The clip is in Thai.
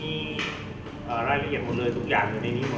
มีรายละเอียดหมดเลยทุกอย่างอยู่ในนี้หมด